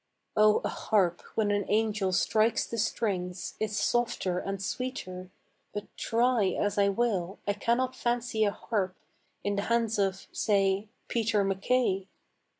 O a harp when an angel strikes the strings Is softer and sweeter, but try As I will, I cannot fancy a harp In the hands of, say, Peter MacKay.